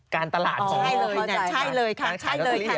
การตลาดของการขายรสลี่